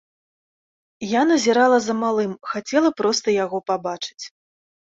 Я назірала за малым, хацела проста яго пабачыць.